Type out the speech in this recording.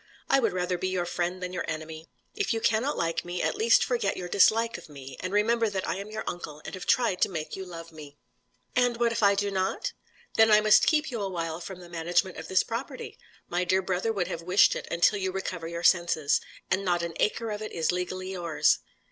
I would rather be your friend than your enemy. If you cannot like me, at least forget your dislike of me, and remember that I am your uncle, and have tried to make you love me." "And what if I do not?" "Then I must keep you awhile from the management of this property. My dear brother would have wished it, until you recover your senses; and not an acre of it is legally yours."